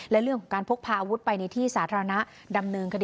และเรื่องของการพกพาอาวุธไปในที่สาธารณะดำเนินคดี